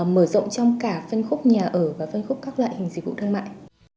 mở rộng trong cả phân khúc nhà ở và phân khúc các loại hình dịch vụ thương mại